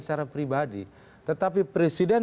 secara pribadi tetapi presiden